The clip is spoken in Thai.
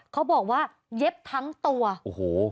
เขาบอกว่าเย็บทั้งตัวโอ้โห